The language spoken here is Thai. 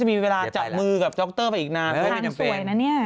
เดี๋ยวไปแล้วก็จับมือกับจ็อคเตอร์ไปอีกนานเลยทันสวยน่ะเนี่ย